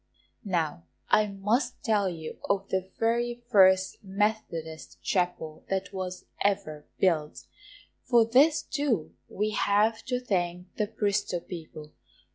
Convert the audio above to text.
Now I must tell you of the very first Methodist Chapel that was ever built; for this, too, we have to thank the Bristol people.